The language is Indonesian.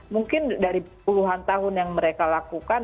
mungkin dari puluhan tahun yang mereka lakukan